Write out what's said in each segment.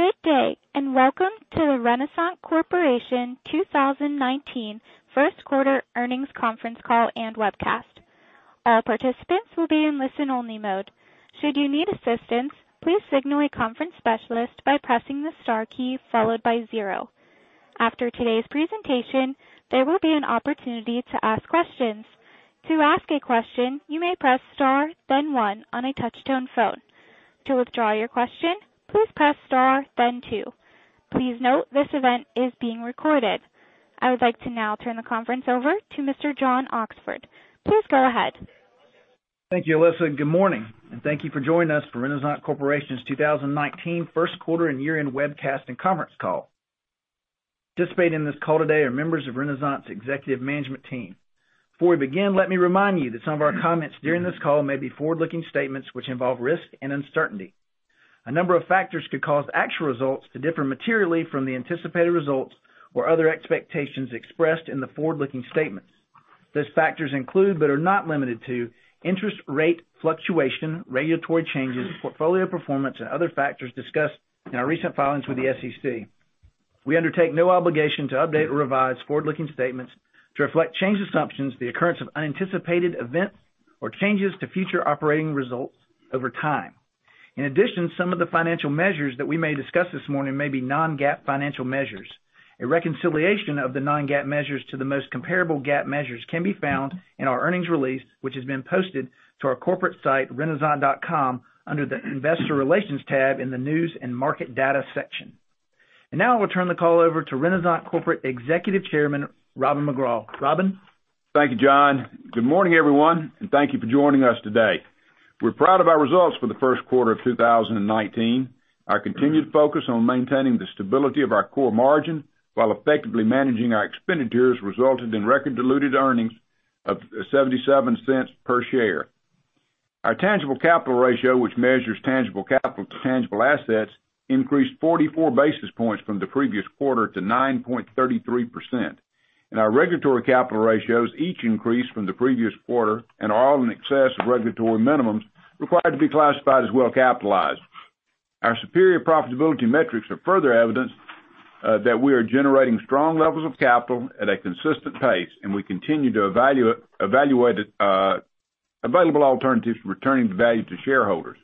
Good day. Welcome to the Renasant Corporation 2019 first quarter earnings conference call and webcast. All participants will be in listen only mode. Should you need assistance, please signal a conference specialist by pressing the star key followed by zero. After today's presentation, there will be an opportunity to ask questions. To ask a question, you may press star then one on a touch-tone phone. To withdraw your question, please press star then two. Please note, this event is being recorded. I would like to now turn the conference over to Mr. John Oxford. Please go ahead. Thank you, Alyssa. Good morning. Thank you for joining us for Renasant Corporation's 2019 first quarter and year-end webcast and conference call. Participating in this call today are members of Renasant's executive management team. Before we begin, let me remind you that some of our comments during this call may be forward-looking statements which involve risk and uncertainty. A number of factors could cause actual results to differ materially from the anticipated results or other expectations expressed in the forward-looking statements. Those factors include, but are not limited to interest rate fluctuation, regulatory changes, portfolio performance, and other factors discussed in our recent filings with the SEC. We undertake no obligation to update or revise forward-looking statements to reflect changed assumptions, the occurrence of unanticipated events, or changes to future operating results over time. In addition, some of the financial measures that we may discuss this morning may be non-GAAP financial measures. A reconciliation of the non-GAAP measures to the most comparable GAAP measures can be found in our earnings release, which has been posted to our corporate site, renasant.com, under the Investor Relations tab in the News and Market Data section. Now I will turn the call over to Renasant Corporate Executive Chairman, Robin McGraw. Robin? Thank you, John. Good morning, everyone. Thank you for joining us today. We're proud of our results for the first quarter of 2019. Our continued focus on maintaining the stability of our core margin while effectively managing our expenditures resulted in record diluted earnings of $0.77 per share. Our tangible capital ratio, which measures tangible capital to tangible assets, increased 44 basis points from the previous quarter to 9.33%. Our regulatory capital ratios each increased from the previous quarter and are all in excess of regulatory minimums required to be classified as well-capitalized. Our superior profitability metrics are further evidence that we are generating strong levels of capital at a consistent pace, and we continue to evaluate available alternatives for returning value to shareholders.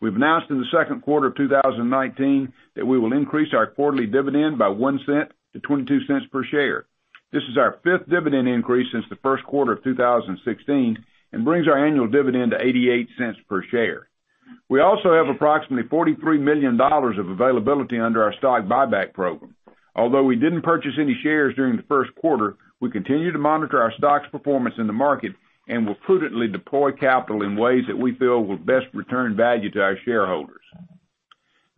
We've announced in the second quarter of 2019 that we will increase our quarterly dividend by $0.01 to $0.22 per share. This is our fifth dividend increase since the first quarter of 2016 and brings our annual dividend to $0.88 per share. We also have approximately $43 million of availability under our stock buyback program. Although we didn't purchase any shares during the first quarter, we continue to monitor our stock's performance in the market and will prudently deploy capital in ways that we feel will best return value to our shareholders.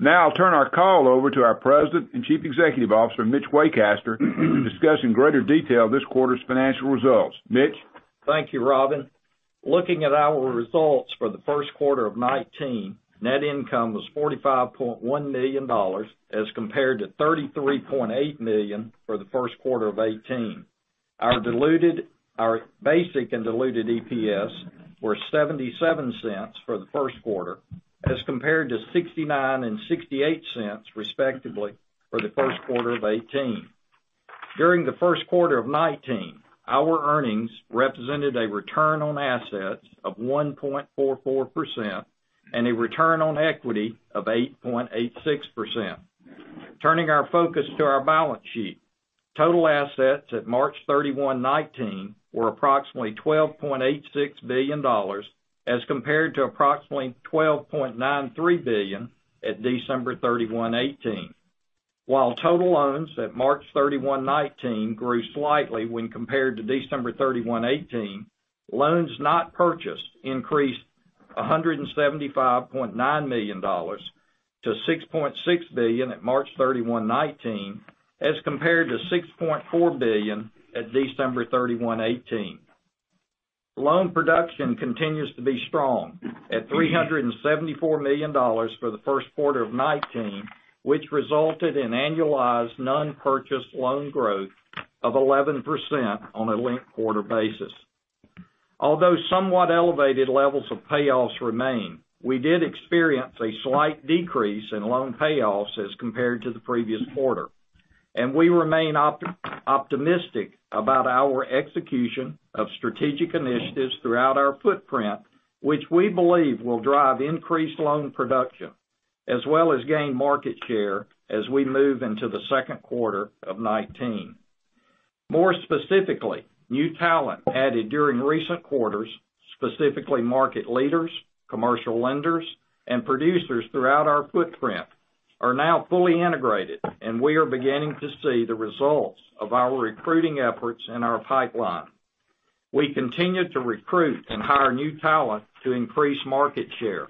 I'll turn our call over to our President and Chief Executive Officer, Mitch Waycaster, to discuss in greater detail this quarter's financial results. Mitch? Thank you, Robin. Looking at our results for the first quarter of 2019, net income was $45.1 million as compared to $33.8 million for the first quarter of 2018. Our basic and diluted EPS were $0.77 for the first quarter as compared to $0.69 and $0.68, respectively, for the first quarter of 2018. During the first quarter of 2019, our earnings represented a return on assets of 1.44% and a return on equity of 8.86%. Turning our focus to our balance sheet. Total assets at March 31, 2019, were approximately $12.86 billion as compared to approximately $12.93 billion at December 31, 2018. While total loans at March 31, 2019, grew slightly when compared to December 31, 2018, loans not purchased increased $175.9 million to $6.6 billion at March 31, 2019, as compared to $6.4 billion at December 31, 2018. Loan production continues to be strong at $374 million for the first quarter of 2019, which resulted in annualized non-purchased loan growth of 11% on a linked-quarter basis. Although somewhat elevated levels of payoffs remain, we did experience a slight decrease in loan payoffs as compared to the previous quarter. We remain optimistic about our execution of strategic initiatives throughout our footprint, which we believe will drive increased loan production as well as gain market share as we move into the second quarter of 2019. More specifically, new talent added during recent quarters, specifically market leaders, commercial lenders, and producers throughout our footprint, are now fully integrated, and we are beginning to see the results of our recruiting efforts in our pipeline. We continue to recruit and hire new talent to increase market share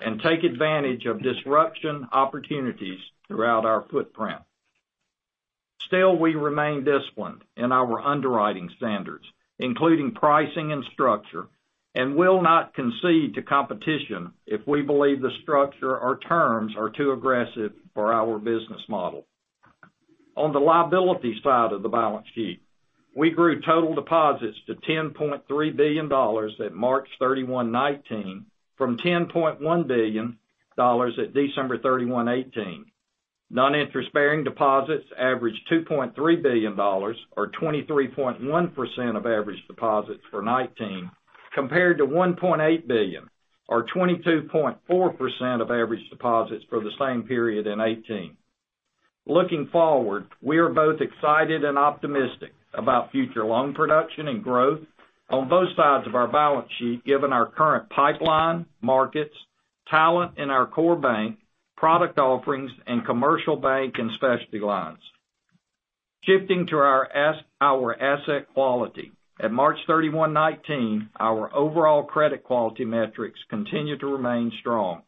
and take advantage of disruption opportunities throughout our footprint. We remain disciplined in our underwriting standards, including pricing and structure, and will not concede to competition if we believe the structure or terms are too aggressive for our business model. On the liability side of the balance sheet, we grew total deposits to $10.3 billion at March 31, 2019, from $10.1 billion at December 31, 2018. Non-interest-bearing deposits averaged $2.3 billion, or 23.1% of average deposits for 2019, compared to $1.8 billion, or 22.4% of average deposits for the same period in 2018. Looking forward, we are both excited and optimistic about future loan production and growth on both sides of our balance sheet, given our current pipeline, markets, talent in our core bank, product offerings, and commercial bank and specialty lines. Shifting to our asset quality. At March 31, 2019, our overall credit quality metrics continue to remain strong.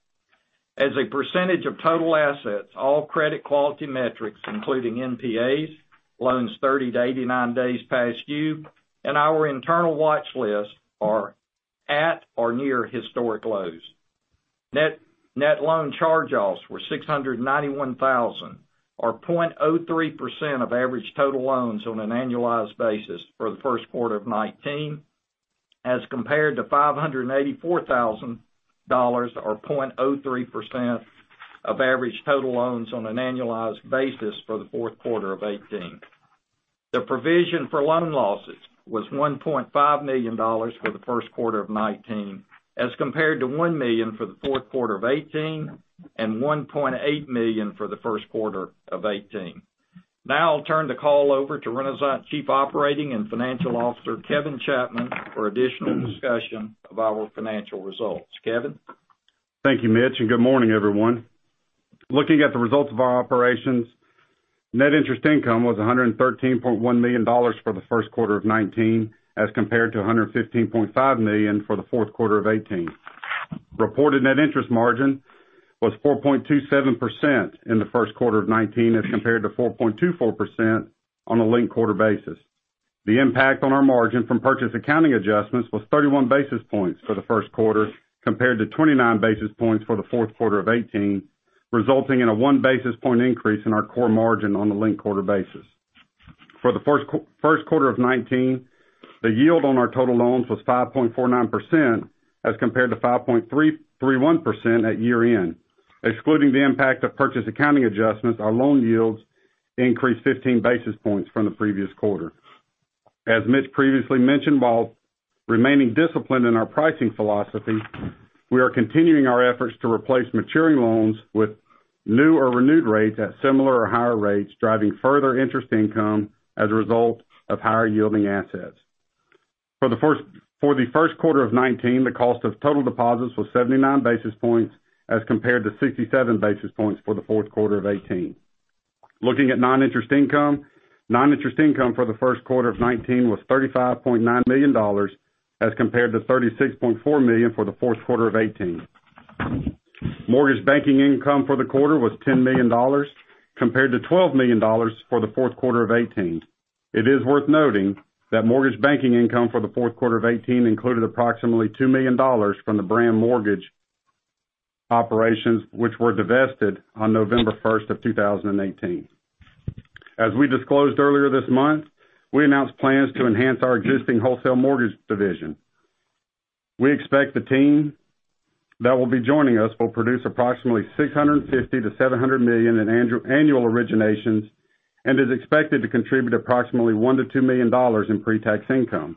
As a percentage of total assets, all credit quality metrics, including NPAs, loans 30-89 days past due, and our internal watch list, are at or near historic lows. Net loan charge-offs were $691,000, or 0.03% of average total loans on an annualized basis for the first quarter of 2019, as compared to $584,000, or 0.03% of average total loans on an annualized basis for the fourth quarter of 2018. The provision for loan losses was $1.5 million for the first quarter of 2019, as compared to $1 million for the fourth quarter of 2018, and $1.8 million for the first quarter of 2018. Now, I'll turn the call over to Renasant Chief Operating and Financial Officer, Kevin Chapman, for additional discussion of our financial results. Kevin? Thank you, Mitch, and good morning, everyone. Looking at the results of our operations, net interest income was $113.1 million for the first quarter of 2019, as compared to $115.5 million for the fourth quarter of 2018. Reported net interest margin was 4.27% in the first quarter of 2019, as compared to 4.24% on a linked quarter basis. The impact on our margin from purchase accounting adjustments was 31 basis points for the first quarter, compared to 29 basis points for the fourth quarter of 2018, resulting in a one basis point increase in our core margin on a linked quarter basis. For the first quarter of 2019, the yield on our total loans was 5.49%, as compared to 5.31% at year-end. Excluding the impact of purchase accounting adjustments, our loan yields increased 15 basis points from the previous quarter. As Mitch previously mentioned, while remaining disciplined in our pricing philosophy, we are continuing our efforts to replace maturing loans with new or renewed rates at similar or higher rates, driving further interest income as a result of higher yielding assets. For the first quarter of 2019, the cost of total deposits was 79 basis points, as compared to 67 basis points for the fourth quarter of 2018. Looking at non-interest income, non-interest income for the first quarter of 2019 was $35.9 million, as compared to $36.4 million for the fourth quarter of 2018. Mortgage banking income for the quarter was $10 million, compared to $12 million for the fourth quarter of 2018. It is worth noting that mortgage banking income for the fourth quarter of 2018 included approximately $2 million from the BrandMortgage operations which were divested on November 1st of 2018. As we disclosed earlier this month, we announced plans to enhance our existing wholesale mortgage division. We expect the team that will be joining us will produce approximately $650 million-$700 million in annual originations and is expected to contribute approximately $1 million-$2 million in pre-tax income.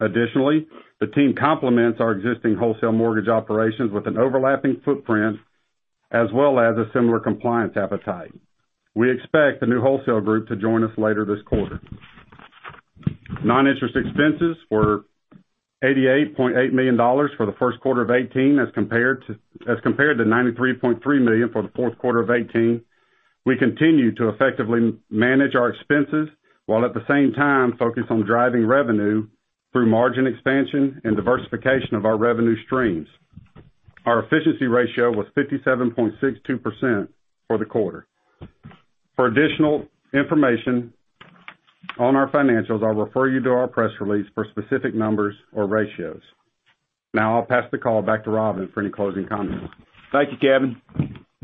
Additionally, the team complements our existing wholesale mortgage operations with an overlapping footprint as well as a similar compliance appetite. We expect the new wholesale group to join us later this quarter. Non-interest expenses were $88.8 million for the first quarter of 2018 as compared to $93.3 million for the fourth quarter of 2018. We continue to effectively manage our expenses while at the same time focus on driving revenue through margin expansion and diversification of our revenue streams. Our efficiency ratio was 57.62% for the quarter. For additional information on our financials, I'll refer you to our press release for specific numbers or ratios. Now, I'll pass the call back to Robin for any closing comments. Thank you, Kevin.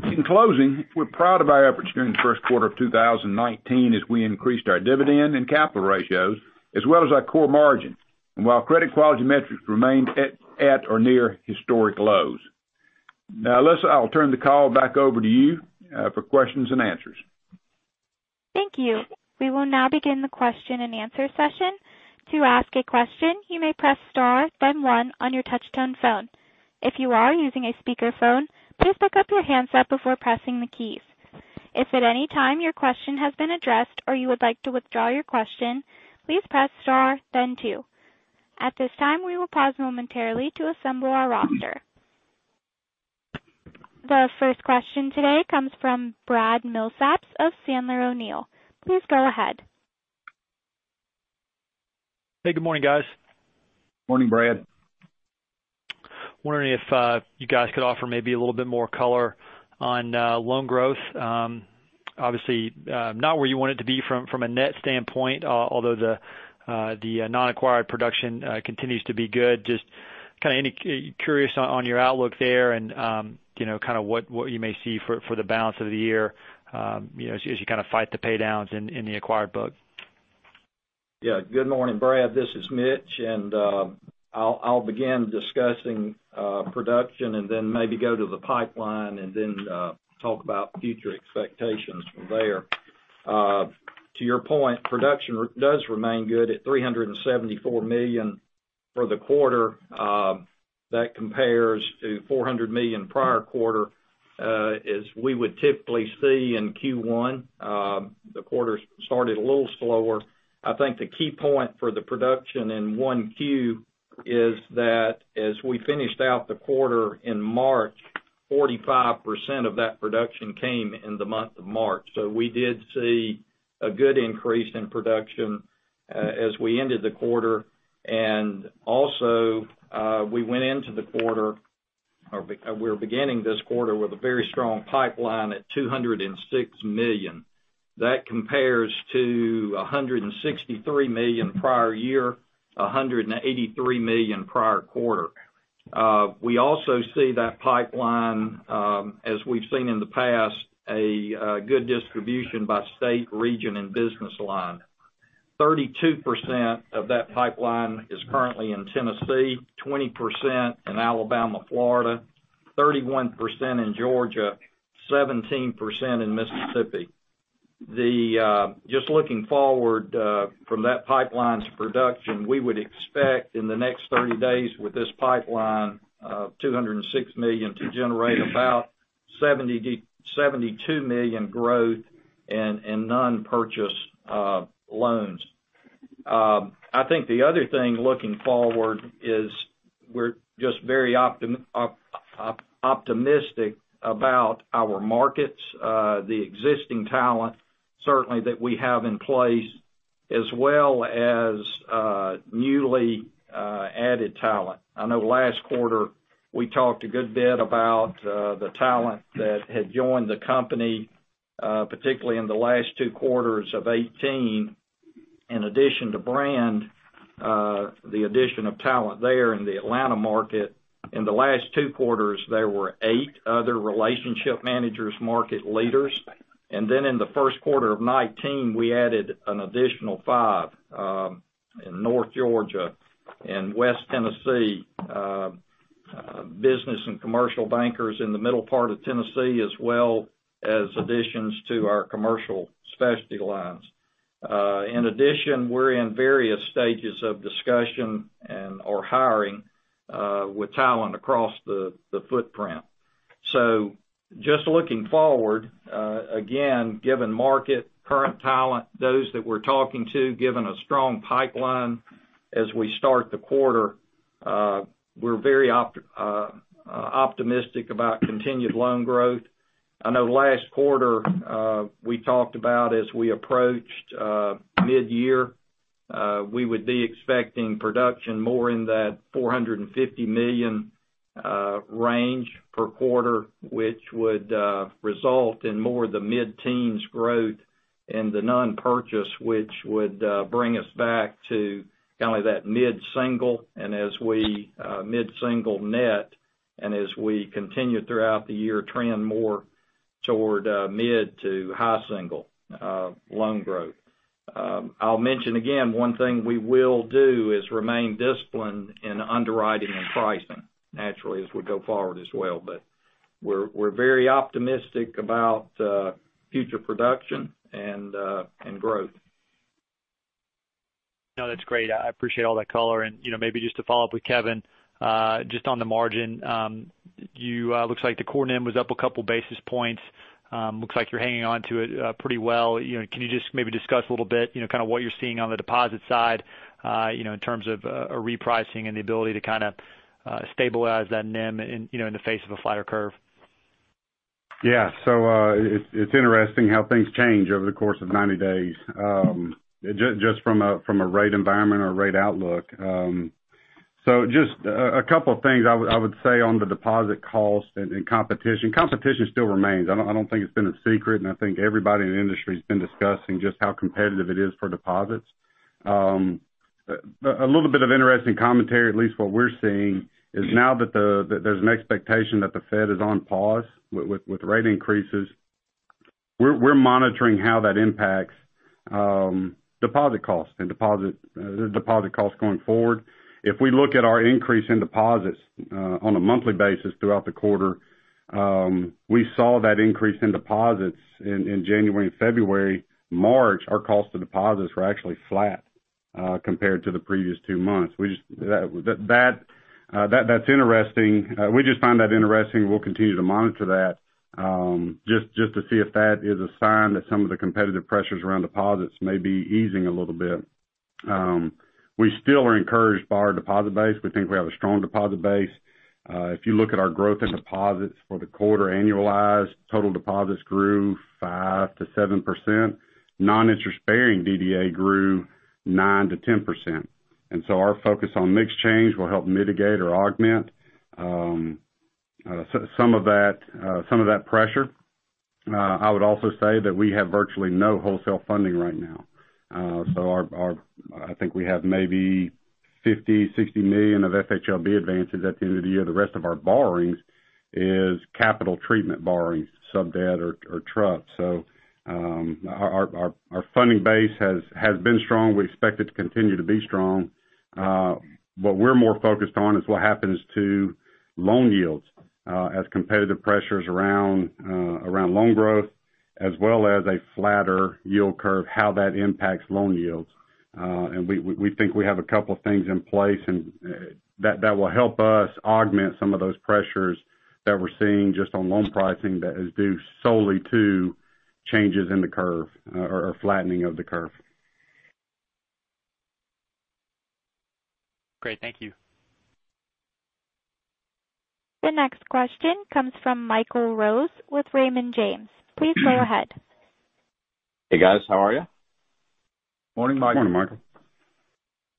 In closing, we're proud of our efforts during the first quarter of 2019 as we increased our dividend and capital ratios, as well as our core margin, while credit quality metrics remained at or near historic lows. Alyssa, I'll turn the call back over to you for questions and answers. Thank you. We will now begin the question and answer session. To ask a question, you may press star then one on your touch-tone phone. If you are using a speakerphone, please pick up your handset before pressing the keys. If at any time your question has been addressed or you would like to withdraw your question, please press star then two. At this time, we will pause momentarily to assemble our roster. The first question today comes from Brad Milsaps of Sandler O'Neill. Please go ahead. Hey, good morning, guys. Morning, Brad. Wondering if you guys could offer maybe a little bit more color on loan growth. Obviously, not where you want it to be from a net standpoint, although the non-acquired production continues to be good, just kind of curious on your outlook there and what you may see for the balance of the year as you fight the pay-downs in the acquired book. Yeah. Good morning, Brad. This is Mitch, and I'll begin discussing production and then maybe go to the pipeline and then talk about future expectations from there. To your point, production does remain good at $374 million for the quarter. That compares to $400 million prior quarter. As we would typically see in Q1, the quarter started a little slower. I think the key point for the production in 1Q is that as we finished out the quarter in March, 45% of that production came in the month of March. We did see a good increase in production as we ended the quarter. Also, we went into the quarter, or we're beginning this quarter with a very strong pipeline at $206 million. That compares to $163 million prior year, $183 million prior quarter. We also see that pipeline, as we've seen in the past, a good distribution by state, region, and business line. 32% of that pipeline is currently in Tennessee, 20% in Alabama, Florida, 31% in Georgia, 17% in Mississippi. Just looking forward from that pipeline's production, we would expect in the next 30 days with this pipeline of $206 million to generate about $72 million growth in non-purchase loans. I think the other thing looking forward is we're just very optimistic about our markets, the existing talent, certainly that we have in place, as well as newly added talent. I know last quarter, we talked a good bit about the talent that had joined the company, particularly in the last two quarters of 2018, in addition to BrandBank, the addition of talent there in the Atlanta market. In the last two quarters, there were eight other relationship managers, market leaders. In the first quarter of 2019, we added an additional five in North Georgia and West Tennessee, business and commercial bankers in the middle part of Tennessee, as well as additions to our commercial specialty lines. In addition, we're in various stages of discussion and/or hiring with talent across the footprint. Just looking forward, again, given market, current talent, those that we're talking to, given a strong pipeline as we start the quarter, we're very optimistic about continued loan growth. I know last quarter, we talked about as we approached mid-year, we would be expecting production more in that $450 million range per quarter, which would result in more the mid-teens growth in the non-purchase, which would bring us back to that mid-single net, and as we continue throughout the year, trend more toward mid to high single loan growth. I'll mention again, one thing we will do is remain disciplined in underwriting and pricing, naturally, as we go forward as well. We're very optimistic about future production and growth. No, that's great. I appreciate all that color. Maybe just to follow up with Kevin, just on the margin. Looks like the core NIM was up a couple basis points. Looks like you're hanging on to it pretty well. Can you just maybe discuss a little bit, kind of what you're seeing on the deposit side in terms of a repricing and the ability to stabilize that NIM in the face of a flatter curve? It's interesting how things change over the course of 90 days, just from a rate environment or rate outlook. Just a couple of things I would say on the deposit cost and competition. Competition still remains. I don't think it's been a secret, and I think everybody in the industry has been discussing just how competitive it is for deposits. A little bit of interesting commentary, at least what we're seeing, is now that there's an expectation that the Fed is on pause with rate increases, we're monitoring how that impacts deposit costs going forward. If we look at our increase in deposits on a monthly basis throughout the quarter, we saw that increase in deposits in January and February. March, our cost of deposits were actually flat compared to the previous two months. That's interesting. We just find that interesting. We'll continue to monitor that just to see if that is a sign that some of the competitive pressures around deposits may be easing a little bit. We still are encouraged by our deposit base. We think we have a strong deposit base. If you look at our growth in deposits for the quarter annualized, total deposits grew 5%-7%. Non-interest-bearing DDA grew 9%-10%. Our focus on mix change will help mitigate or augment some of that pressure. I would also say that we have virtually no wholesale funding right now. I think we have maybe $50 million-$60 million of FHLB advances at the end of the year. The rest of our borrowings is capital treatment borrowings, sub-debt or trust. Our funding base has been strong. We expect it to continue to be strong. What we're more focused on is what happens to loan yields as competitive pressures around loan growth, as well as a flatter yield curve, how that impacts loan yields. We think we have a couple of things in place, and that will help us augment some of those pressures that we're seeing just on loan pricing that is due solely to changes in the curve or flattening of the curve. Great. Thank you. The next question comes from Michael Rose with Raymond James. Please go ahead. Hey, guys. How are you? Morning, Michael. Morning,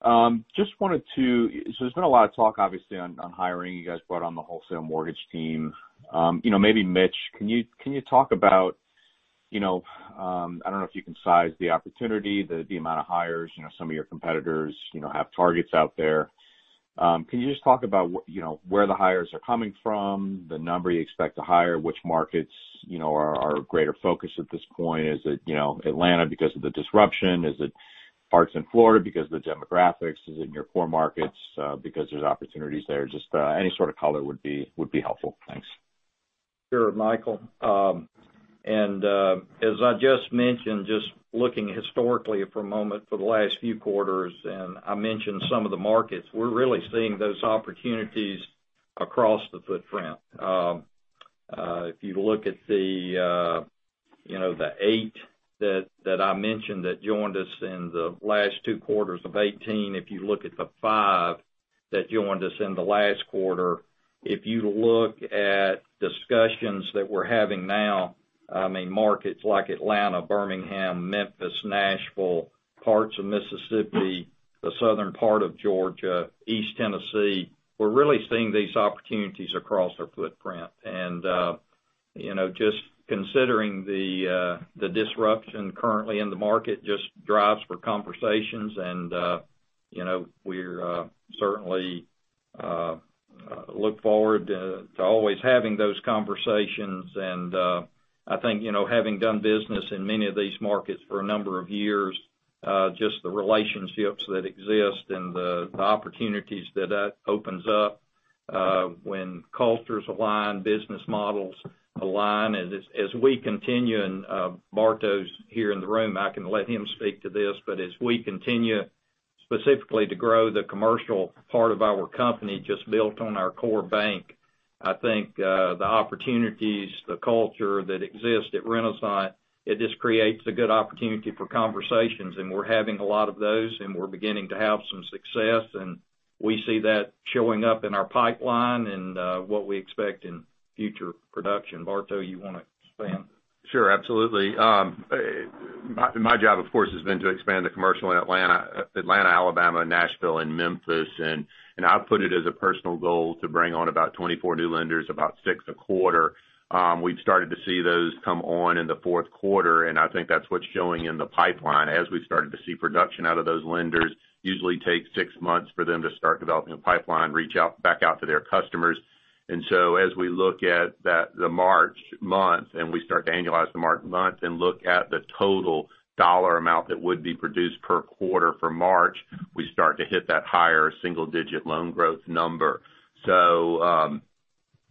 Michael. There's been a lot of talk, obviously, on hiring. You guys brought on the wholesale mortgage team. Maybe Mitch, can you talk about, I don't know if you can size the opportunity, the amount of hires, some of your competitors have targets out there. Can you just talk about where the hires are coming from, the number you expect to hire, which markets are greater focus at this point? Is it Atlanta because of the disruption? Is it parts in Florida because of the demographics? Is it in your core markets because there's opportunities there? Just any sort of color would be helpful. Thanks. Sure, Michael. As I just mentioned, just looking historically for a moment for the last few quarters, I mentioned some of the markets, we're really seeing those opportunities across the footprint. If you look at the 8 that I mentioned that joined us in the last two quarters of 2018, if you look at the 5 that joined us in the last quarter, if you look at discussions that we're having now, markets like Atlanta, Birmingham, Memphis, Nashville, parts of Mississippi, the southern part of Georgia, East Tennessee, we're really seeing these opportunities across our footprint. Just considering the disruption currently in the market just drives for conversations, we certainly look forward to always having those conversations. I think, having done business in many of these markets for a number of years, just the relationships that exist and the opportunities that opens up when cultures align, business models align. As we continue, Bartow's here in the room, I can let him speak to this, but as we continue specifically to grow the commercial part of our company, just built on our core bank, I think, the opportunities, the culture that exists at Renasant, it just creates a good opportunity for conversations, we're having a lot of those, we're beginning to have some success, we see that showing up in our pipeline and what we expect in future production. Bartow, you want to expand? Sure, absolutely. My job, of course, has been to expand the commercial in Atlanta, Alabama, Nashville, and Memphis, I've put it as a personal goal to bring on about 24 new lenders, about 6 a quarter. We've started to see those come on in the fourth quarter, I think that's what's showing in the pipeline as we started to see production out of those lenders. Usually takes 6 months for them to start developing a pipeline, reach back out to their customers. As we look at the March month and we start to annualize the March month and look at the total dollar amount that would be produced per quarter for March, we start to hit that higher single-digit loan growth number.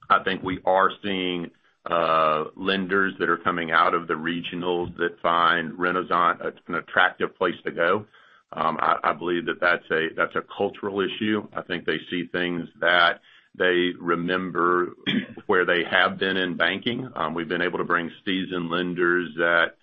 I think we are seeing lenders that are coming out of the regionals that find Renasant an attractive place to go. I believe that's a cultural issue. I think they see things that they remember where they have been in banking. We've been able to bring seasoned lenders that,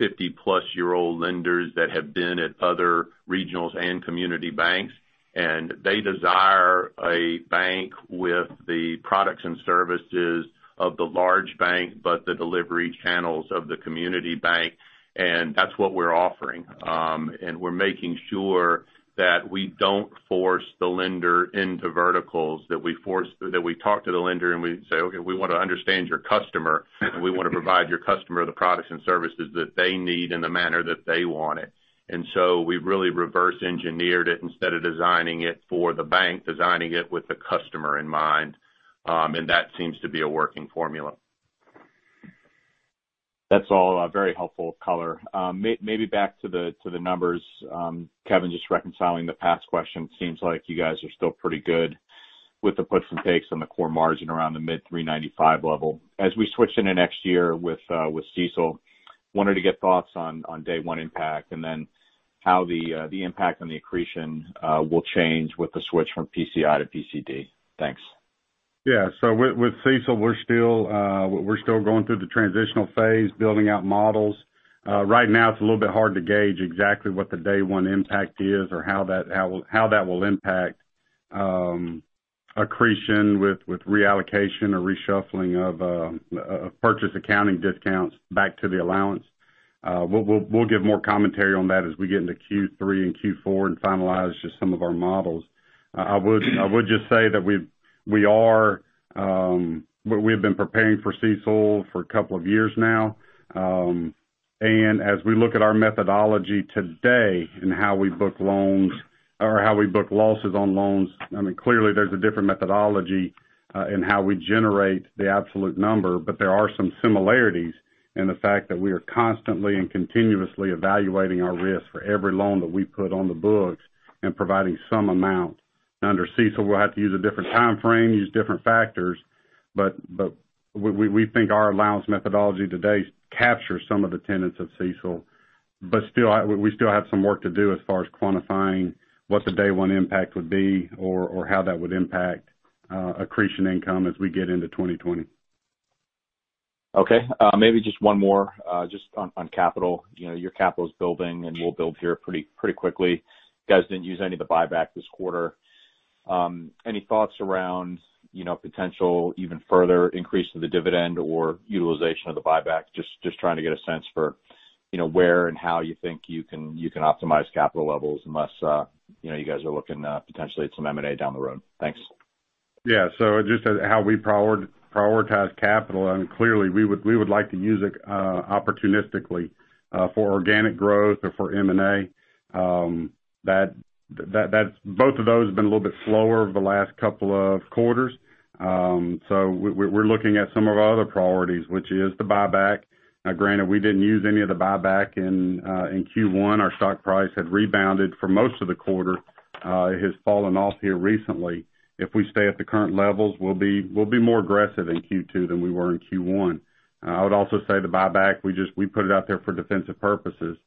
50-plus-year-old lenders that have been at other regionals and community banks, they desire a bank with the products and services of the large bank, but the delivery channels of the community bank, and that's what we're offering. We're making sure that we don't force the lender into verticals, that we talk to the lender and we say, "Okay, we want to understand your customer, and we want to provide your customer the products and services that they need in the manner that they want it." We've really reverse engineered it instead of designing it for the bank, designing it with the customer in mind, and that seems to be a working formula. That's all very helpful color. Maybe back to the numbers, Kevin, just reconciling the past question, seems like you guys are still pretty good with the puts and takes on the core margin around the mid 395 level. As we switch into next year with CECL, wanted to get thoughts on day one impact, and then how the impact on the accretion will change with the switch from PCI to PCD. Thanks. Yeah. With CECL, we're still going through the transitional phase, building out models. Right now, it's a little bit hard to gauge exactly what the day one impact is or how that will impact accretion with reallocation or reshuffling of purchase accounting discounts back to the allowance. We'll give more commentary on that as we get into Q3 and Q4 and finalize just some of our models. I would just say that we have been preparing for CECL for a couple of years now. As we look at our methodology today and how we book loans or how we book losses on loans, clearly, there's a different methodology in how we generate the absolute number, but there are some similarities in the fact that we are constantly and continuously evaluating our risk for every loan that we put on the books and providing some amount. Under CECL, we'll have to use a different timeframe, use different factors. We think our allowance methodology today captures some of the tenets of CECL. We still have some work to do as far as quantifying what the day one impact would be or how that would impact accretion income as we get into 2020. Okay. Maybe just one more, just on capital. Your capital is building, will build here pretty quickly. You guys didn't use any of the buyback this quarter. Any thoughts around potential even further increase to the dividend or utilization of the buyback? Just trying to get a sense for where and how you think you can optimize capital levels unless you guys are looking potentially at some M&A down the road. Thanks. Yeah. Just how we prioritize capital. Clearly, we would like to use it opportunistically for organic growth or for M&A. Both of those have been a little bit slower over the last couple of quarters. We're looking at some of our other priorities, which is the buyback. Now, granted, we didn't use any of the buyback in Q1. Our stock price had rebounded for most of the quarter. It has fallen off here recently. If we stay at the current levels, we'll be more aggressive in Q2 than we were in Q1. I would also say the buyback, we put it out there for defensive purposes.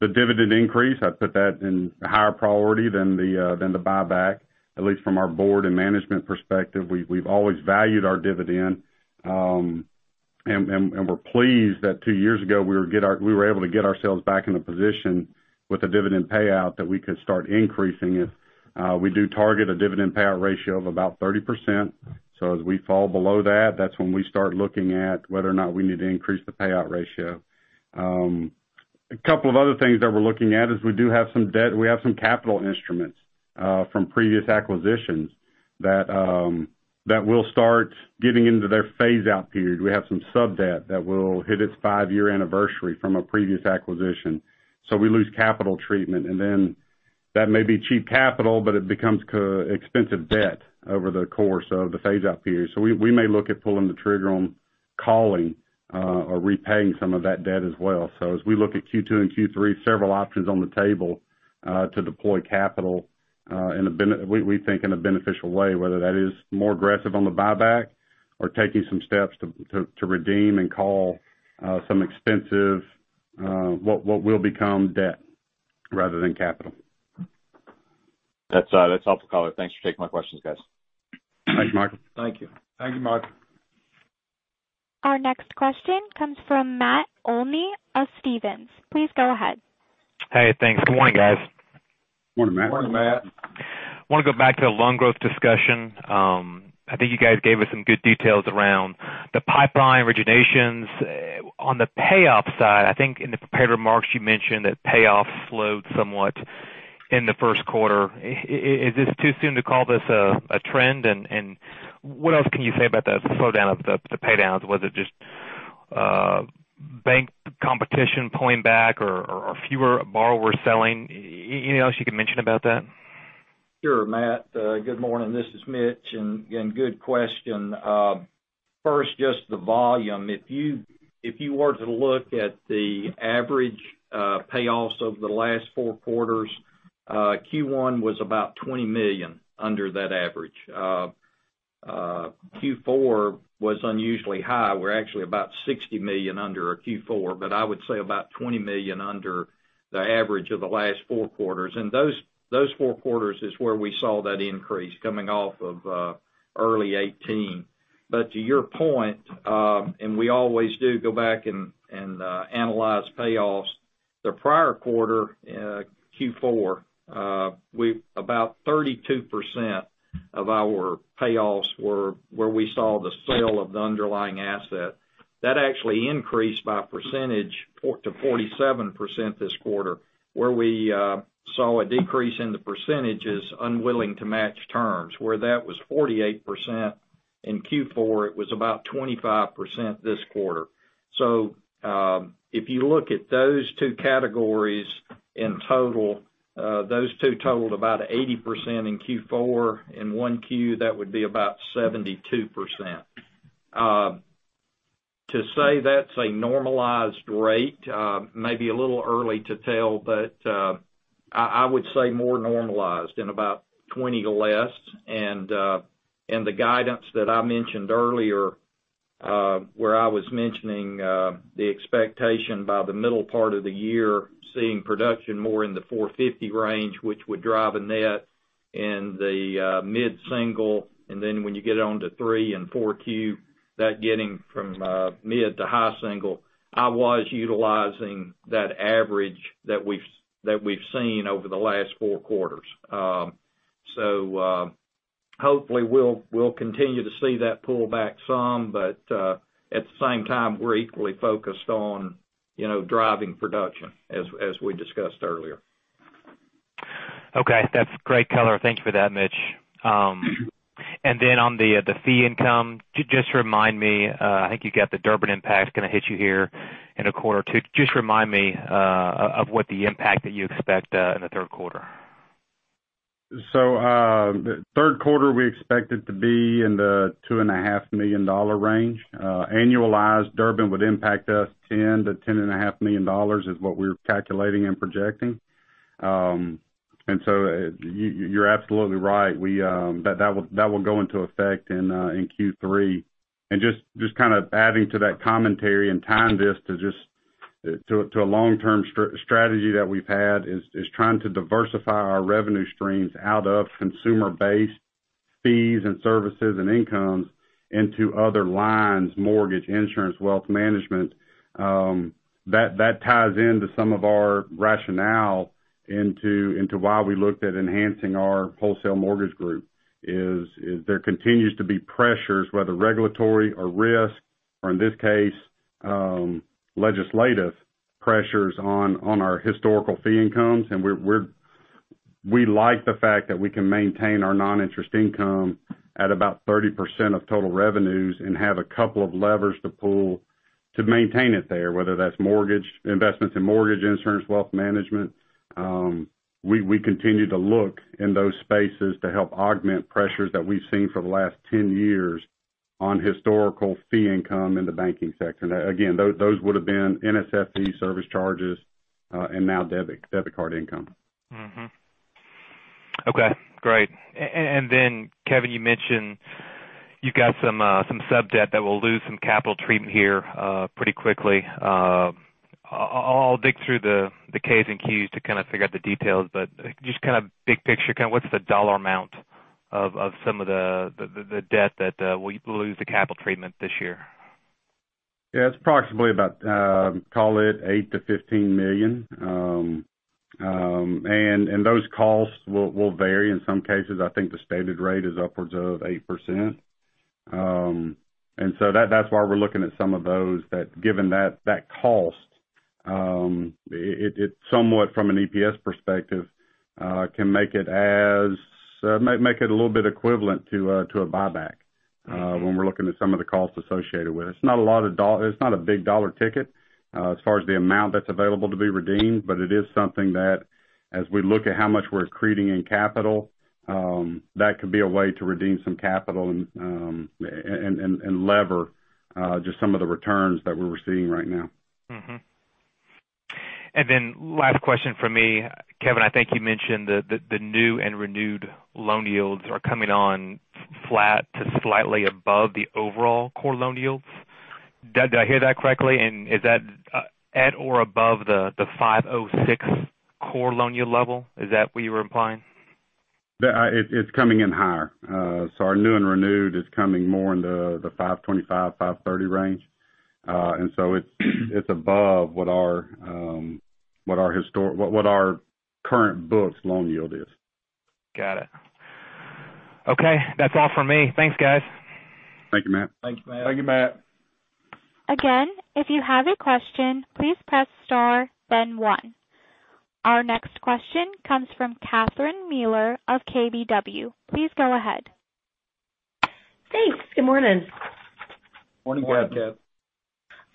The dividend increase, I'd put that in a higher priority than the buyback, at least from our board and management perspective. We've always valued our dividend. We're pleased that two years ago, we were able to get ourselves back in a position with a dividend payout that we could start increasing it. We do target a dividend payout ratio of about 30%. As we fall below that's when we start looking at whether or not we need to increase the payout ratio. A couple of other things that we're looking at is we do have some debt. We have some capital instruments from previous acquisitions that will start getting into their phase-out period. We have some sub-debt that will hit its five-year anniversary from a previous acquisition, so we lose capital treatment. That may be cheap capital, but it becomes expensive debt over the course of the phase-out period. We may look at pulling the trigger on calling or repaying some of that debt as well. As we look at Q2 and Q3, several options on the table to deploy capital we think in a beneficial way, whether that is more aggressive on the buyback or taking some steps to redeem and call some expensive, what will become debt rather than capital. That's a helpful color. Thanks for taking my questions, guys. Thanks, Michael. Thank you. Thank you, Michael. Our next question comes from Matt Olney of Stephens. Please go ahead. Hey, thanks. Good morning, guys. Morning, Matt. Morning, Matt. I want to go back to the loan growth discussion. I think you guys gave us some good details around the pipeline originations. On the payoff side, I think in the prepared remarks, you mentioned that payoffs slowed somewhat in the first quarter. Is this too soon to call this a trend? What else can you say about that slowdown of the paydowns? Was it just bank competition pulling back or fewer borrowers selling? Anything else you can mention about that? Sure, Matt. Good morning. This is Mitch. Good question. First, just the volume. If you were to look at the average payoffs over the last four quarters, Q1 was about $20 million under that average. Q4 was unusually high. We're actually about $60 million under Q4, but I would say about $20 million under the average of the last four quarters. Those four quarters is where we saw that increase coming off of early 2018. To your point, and we always do go back and analyze payoffs. The prior quarter, Q4, about 32% of our payoffs were where we saw the sale of the underlying asset. That actually increased by percentage to 47% this quarter, where we saw a decrease in the percentages unwilling to match terms. Where that was 48% in Q4, it was about 25% this quarter. If you look at those two categories in total, those two totaled about 80% in Q4. In 1Q, that would be about 72%. To say that's a normalized rate, maybe a little early to tell, but I would say more normalized in about 20 less. The guidance that I mentioned earlier, where I was mentioning the expectation by the middle part of the year, seeing production more in the 450 range, which would drive a net in the mid-single. When you get on to 3 and 4 Q, that getting from mid to high single. I was utilizing that average that we've seen over the last four quarters. Hopefully, we'll continue to see that pull back some. At the same time, we're equally focused on driving production, as we discussed earlier. Okay. That's great color. Thank you for that, Mitch. On the fee income, just remind me, I think you got the Durbin impact going to hit you here in a quarter 2. Just remind me of what the impact that you expect in the third quarter. The third quarter, we expect it to be in the $2.5 million range. Annualized, Durbin would impact us $10-$10.5 million is what we're calculating and projecting. You're absolutely right, that will go into effect in Q3. Just adding to that commentary and tying this to a long-term strategy that we've had, is trying to diversify our revenue streams out of consumer-based fees and services and incomes into other lines, mortgage, insurance, wealth management. That ties into some of our rationale into why we looked at enhancing our wholesale mortgage group, is there continues to be pressures, whether regulatory or risk, or in this case, legislative pressures on our historical fee incomes. We like the fact that we can maintain our non-interest income at about 30% of total revenues and have a couple of levers to pull to maintain it there, whether that's investments in mortgage insurance, wealth management. We continue to look in those spaces to help augment pressures that we've seen for the last 10 years on historical fee income in the banking sector. Again, those would've been NSF service charges, and now debit card income. Okay, great. Then Kevin, you mentioned you've got some sub-debt that will lose some capital treatment here, pretty quickly. I'll dig through the K's and Q's to figure out the details, but just kind of big picture, what's the dollar amount of some of the debt that will lose the capital treatment this year? It's approximately about, call it, $8 million-$15 million. Those costs will vary in some cases. I think the standard rate is upwards of 8%. So that's why we're looking at some of those that, given that cost, it somewhat, from an EPS perspective, can make it a little bit equivalent to a buyback- Okay when we're looking at some of the costs associated with it. It's not a big dollar ticket, as far as the amount that's available to be redeemed, but it is something that, as we look at how much we're accreting in capital, that could be a way to redeem some capital and lever just some of the returns that we're receiving right now. Mm-hmm. Last question from me. Kevin, I think you mentioned the new and renewed loan yields are coming on flat to slightly above the overall core loan yields. Did I hear that correctly? Is that at or above the 506 core loan yield level? Is that what you were implying? It's coming in higher. Our new and renewed is coming more in the 525, 530 range. It's above what our current book's loan yield is. Got it. Okay. That's all from me. Thanks, guys. Thank you, Matt. Thank you, Matt. Thank you, Matt. Again, if you have a question, please press star then one. Our next question comes from Catherine Mealor of KBW. Please go ahead. Thanks. Good morning. Morning, Catherine. Morning, Catherine.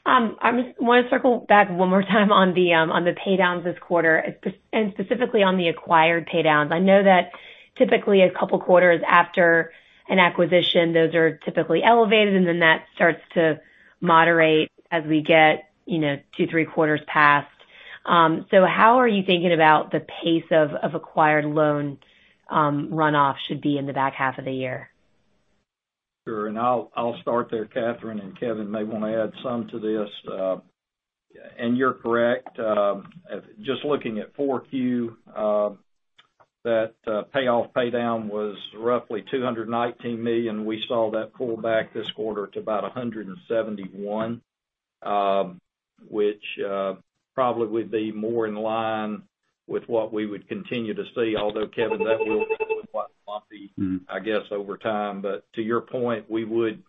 I just want to circle back one more time on the paydowns this quarter, and specifically on the acquired paydowns. I know that typically a couple of quarters after an acquisition, those are typically elevated, then that starts to moderate as we get two, three quarters past. How are you thinking about the pace of acquired loan runoff should be in the back half of the year? Sure. I'll start there, Catherine, and Kevin may want to add something to this. You're correct. Just looking at 4Q, that payoff, paydown was roughly $219 million. We saw that pull back this quarter to about $171, which probably would be more in line with what we would continue to see. Although, Kevin, that will look quite lumpy- I guess, over time. To your point, we would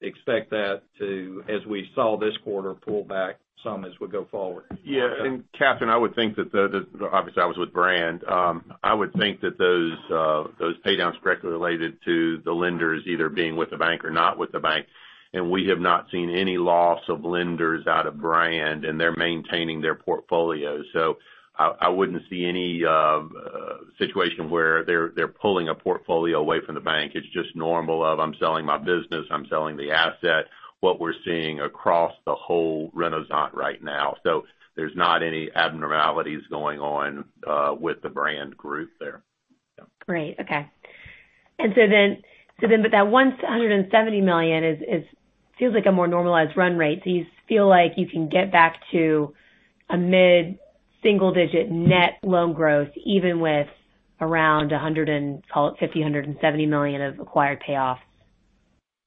expect that to, as we saw this quarter, pull back some as we go forward. Yeah. Catherine, I would think that obviously, I was with BrandBank. I would think that those paydowns directly related to the lenders either being with the bank or not with the bank. We have not seen any loss of lenders out of BrandBank, and they're maintaining their portfolio. I wouldn't see any situation where they're pulling a portfolio away from the bank. It's just normal of, "I'm selling my business, I'm selling the asset," what we're seeing across the whole Renasant right now. There's not any abnormalities going on with the BrandBank group there. Great. Okay. That $170 million feels like a more normalized run rate. Do you feel like you can get back to a mid-single digit net loan growth even with around $100 million and, call it $150 million, $170 million of acquired payoff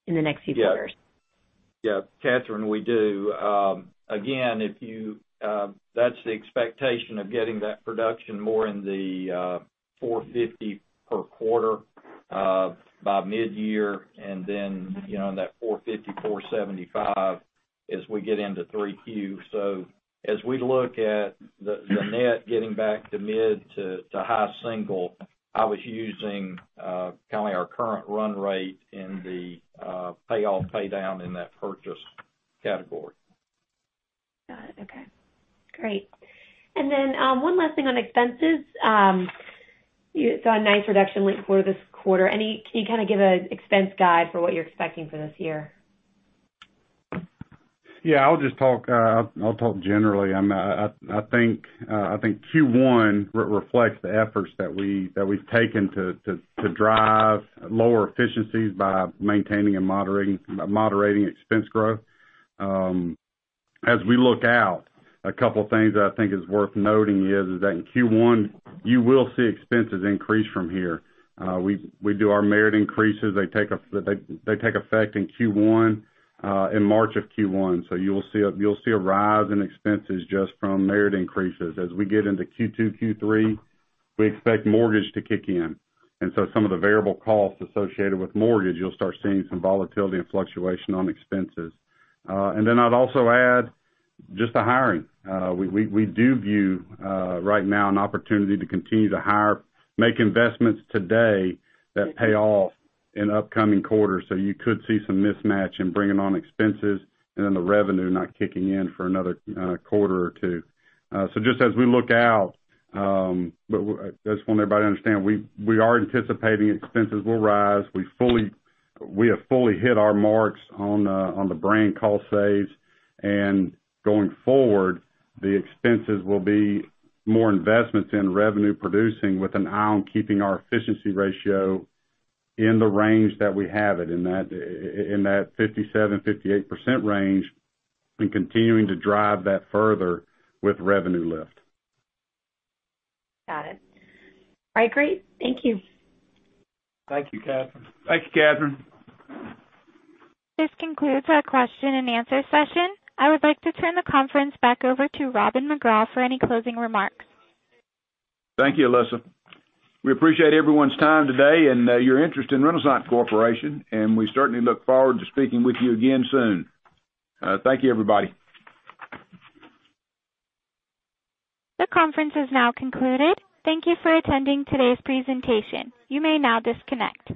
in the next few quarters? Yes. Catherine, we do. Again, that's the expectation of getting that production more in the 450 per quarter by mid-year, and then that 450, 475 as we get into 3Q. As we look at the net getting back to mid to high single, I was using our current run rate in the payoff paydown in that purchase category. Got it. Okay. Great. One last thing on expenses. You saw a nice reduction late quarter this quarter. Can you give an expense guide for what you're expecting for this year? Yeah. I'll just talk generally. I think Q1 reflects the efforts that we've taken to drive lower efficiencies by maintaining and moderating expense growth. As we look out, a couple of things that I think is worth noting is that in Q1, you will see expenses increase from here. We do our merit increases. They take effect in Q1, in March of Q1. You'll see a rise in expenses just from merit increases. As we get into Q2, Q3, we expect mortgage to kick in. Some of the variable costs associated with mortgage, you'll start seeing some volatility and fluctuation on expenses. I'd also add just the hiring. We do view right now an opportunity to continue to hire, make investments today that pay off in upcoming quarters. You could see some mismatch in bringing on expenses and then the revenue not kicking in for another quarter or two. Just as we look out, I just want everybody to understand, we are anticipating expenses will rise. We have fully hit our marks on the BrandBank cost saves, going forward, the expenses will be more investments in revenue producing with an eye on keeping our efficiency ratio in the range that we have it, in that 57%-58% range, continuing to drive that further with revenue lift. Got it. All right, great. Thank you. Thank you, Catherine. Thanks, Catherine. This concludes our question and answer session. I would like to turn the conference back over to Robin McGraw for any closing remarks. Thank you, Alyssa. We appreciate everyone's time today and your interest in Renasant Corporation. We certainly look forward to speaking with you again soon. Thank you, everybody. The conference is now concluded. Thank you for attending today's presentation. You may now disconnect.